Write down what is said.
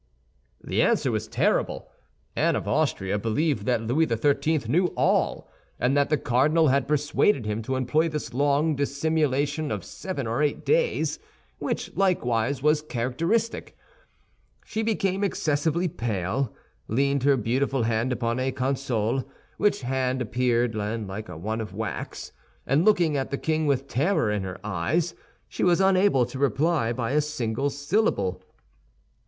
The answer was terrible. Anne of Austria believed that Louis XIII. knew all, and that the cardinal had persuaded him to employ this long dissimulation of seven or eight days, which, likewise, was characteristic. She became excessively pale, leaned her beautiful hand upon a console, which hand appeared then like one of wax, and looking at the king with terror in her eyes, she was unable to reply by a single syllable.